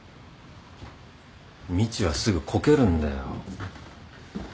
みちはすぐこけるんだよ。